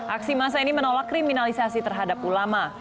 aksi masa ini menolak kriminalisasi terhadap ulama